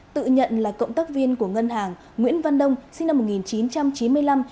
tự nhận là cộng tác viên của ngân hàng nguyễn văn đông sinh năm một nghìn chín trăm chín mươi năm